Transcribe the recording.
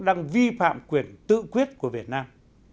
đang vi phạm quyền tự quyết của việt nam